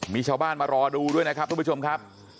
มีชาวบ้านมารอดูด้วยนะครับทุกผู้ชมครับ